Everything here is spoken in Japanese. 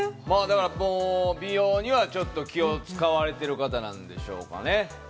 美容にはちょっと気を使われてる方なんでしょうかね。